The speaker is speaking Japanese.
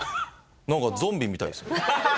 なんかゾンビみたいですね。